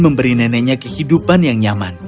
memberi neneknya kehidupan yang nyaman